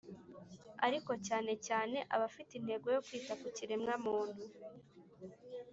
Ariko cyane cyane abafite intego yo kwita ku kiremwamuntu